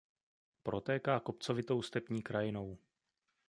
Protéká kopcovitou stepní krajinou.